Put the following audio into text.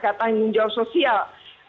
tentu tanggung jawab sosial